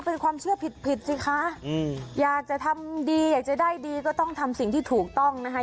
เป็นความเชื่อผิดผิดสิคะอยากจะทำดีอยากจะได้ดีก็ต้องทำสิ่งที่ถูกต้องนะคะ